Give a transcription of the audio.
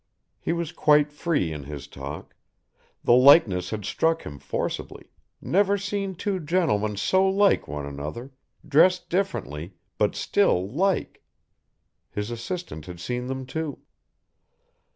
He was quite free in his talk. The likeness had struck him forcibly, never seen two gentlemen so like one another, dressed differently, but still like. His assistant had seen them too.